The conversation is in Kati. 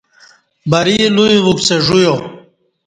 بری لوئی وکڅہ ژویا